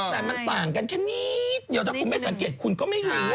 แต่มันต่างกันแค่นิดเดียวถ้าคุณไม่สังเกตคุณก็ไม่รู้